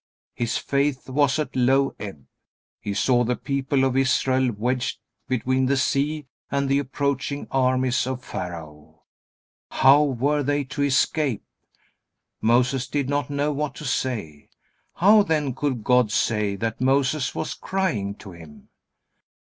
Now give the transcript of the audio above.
His faith was at low ebb. He saw the people of Israel wedged between the Sea and the approaching armies of Pharaoh. How were they to escape? Moses did not know what to say. How then could God say that Moses was crying to Him?